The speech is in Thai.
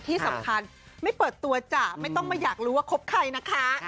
ที่สำคัญไม่เปิดตัวจ้ะไม่ต้องมาอยากรู้ว่าคบใครนะคะ